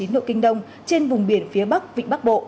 một trăm linh tám chín độ kinh đông trên vùng biển phía bắc vịnh bắc bộ